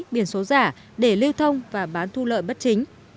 biển số giả để lưu thông và bán thu lợi bất chính